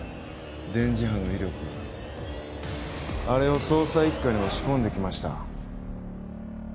電磁波の威力あれを捜査一課にも仕込んできました